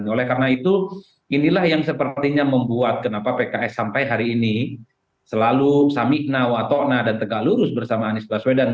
oleh karena itu inilah yang sepertinya membuat kenapa pks sampai hari ini selalu samikna watona dan tegak lurus bersama anies baswedan